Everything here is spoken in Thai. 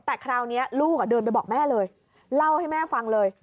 แต่คราวนี้ลูกเดินไปบอกแม่เลยเล่าให้แม่ฟังเลย